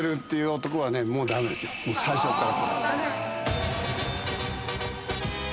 最初っから。